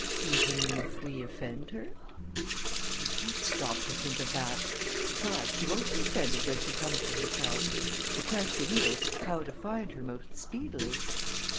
"Even if we offend her?" "We can't stop to think of that. Besides, she won't be offended when she comes to herself. The question is, how to find her most speedily."